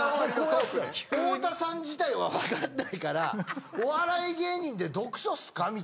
太田さん自体は分かんないからお笑い芸人で読書っすか？